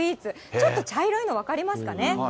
ちょっと茶色いの分かりますかね。